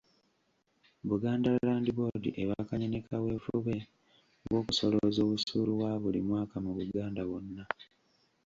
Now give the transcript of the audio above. Buganda Land Board ebakanye ne kaweefube w’okusolooza obusuulu wa buli mwaka mu Buganda wonna.